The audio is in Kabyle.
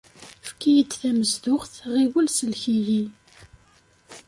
Efk-iyi-d tameẓẓuɣt, ɣiwel sellek-iyi!